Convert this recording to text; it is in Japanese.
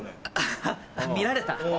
あっ見られた？